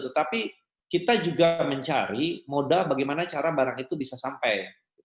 tapi kita juga mencari moda bagaimana cara barang itu bisa sampai